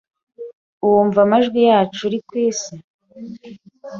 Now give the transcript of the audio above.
wumva amajwi yacu uri ku isi,